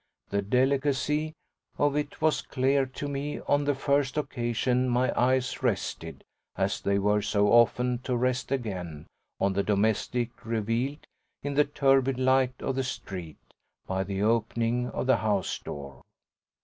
The delicacy of it was clear to me on the first occasion my eyes rested, as they were so often to rest again, on the domestic revealed, in the turbid light of the street, by the opening of the house door.